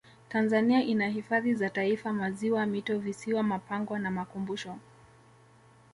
tanzania ina hifadhi za taifa maziwa mito visiwa mapango na makumbusho